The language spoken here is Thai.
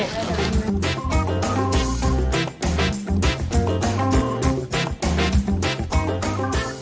การทำกรยาศาสตร์เนี่ยต้องแข่งกับเวลาไปหมดเลยนะครับ